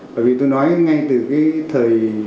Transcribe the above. bởi vì tôi nói ngay từ cái thời